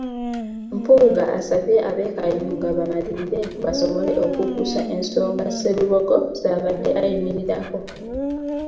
Mpuuga asabye ab’e Kayunga bamalirire basobole okuggusa ensonga Sserubogo z’abadde ayimirirako.